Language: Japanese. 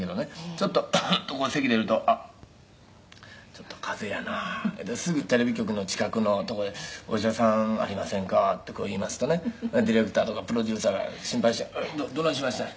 「ちょっとこうせき出るとあっちょっと風邪やな」ですぐテレビ局の近くのとこで“お医者さんありませんか？”ってこう言いますとねディレクターとかプロデューサーが心配して“どないしましたんや？”」